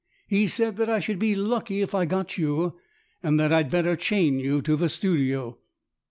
He said that I should be lucky if I got you, and that I'd better chain you to the studio."